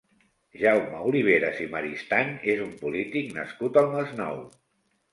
Jaume Oliveras i Maristany és un polític nascut al Masnou.